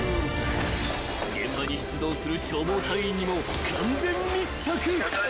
［現場に出動する消防隊員にも完全密着］